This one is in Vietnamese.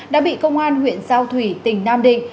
đã bị công an huyện giao thủy tỉnh nam định